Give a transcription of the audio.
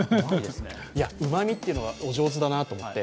うま味っていうのがお上手だなと思って。